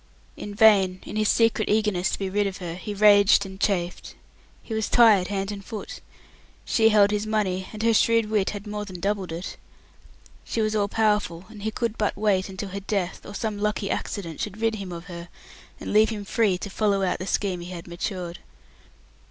In vain, in his secret eagerness to be rid of her, he raged and chafed. He was tied hand and foot. She held his money, and her shrewd wit had more than doubled it. She was all powerful, and he could but wait until her death or some lucky accident should rid him of her, and leave him free to follow out the scheme he had matured.